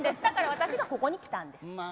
だから私がここに来たんです。